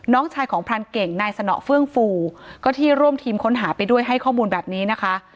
น้องชายของพรานเก่งนายสนอเฟื่องฟูก็ที่ร่วมทีมค้นหาไปด้วยให้ข้อมูลแบบนี้นะคะ